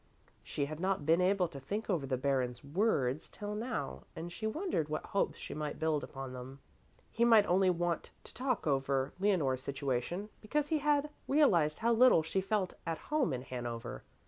She had not been able to think over the Baron's words till now and she wondered what hopes she might build upon them. He might only want to talk over Leonore's situation because he had realized how little she felt at home in Hanover.